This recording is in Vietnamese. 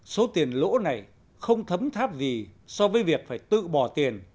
số tiền lỗ này không thấm tháp gì so với việc phải tự bỏ tiền